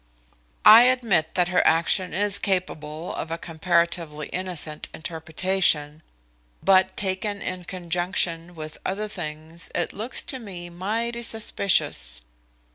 "I admit that her action is capable of a comparatively innocent interpretation, but taken in conjunction with other things it looks to me mighty suspicious.